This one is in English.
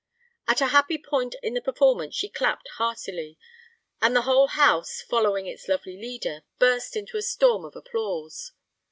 At a happy point in the performance she clapped heartily, and the whole house, following its lovely leader, burst into a storm of applause.